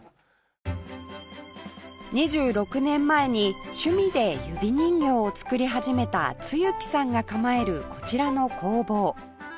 ２６年前に趣味で指人形を作り始めた露木さんが構えるこちらの工房